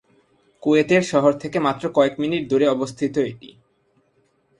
কুয়েতের শহর থেকে মাত্র কয়েক মিনিট দুরে অবস্থিত এটি।